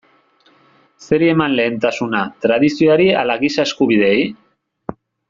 Zeri eman lehentasuna, tradizioari ala giza eskubideei?